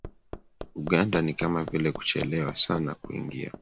Uganda ni kama vile Kuchelewa sana kuingia